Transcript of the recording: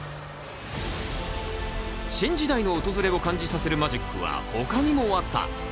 新時代の訪れを感じさせるマジックはほかにもあった。